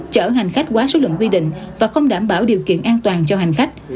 chở hàng khách qua số lượng quy định và không đảm bảo điều kiện an toàn cho hàng khách